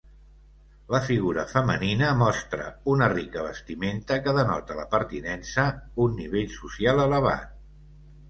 La figura femenina mostra una rica vestimenta, que denota la pertinença un nivell social elevat.